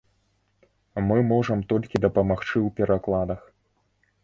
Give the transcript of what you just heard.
Мы можам толькі дапамагчы ў перакладах.